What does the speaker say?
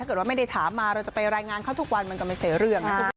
ถ้าเกิดไม่ได้ถามมาเราจะไปไร่งานเขาทุกวันมันก็ไม่เสียเรื่อง